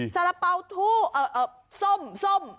สละเป่าทู่อ่ะอ่ะส้มส้ม